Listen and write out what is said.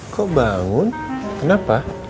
kok bangun kenapa